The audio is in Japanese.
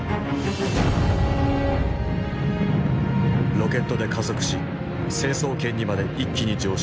ロケットで加速し成層圏にまで一気に上昇。